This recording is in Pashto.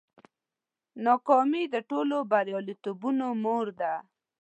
ناکامي د ټولو بریالیتوبونو مور ده.